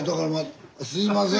すいません。